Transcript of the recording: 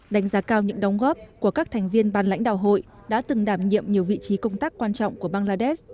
đánh giá cao những đóng góp của các thành viên ban lãnh đạo hội đã từng đảm nhiệm nhiều vị trí công tác quan trọng của bangladesh